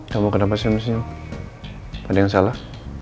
kamu kenapa samsing ada yang salah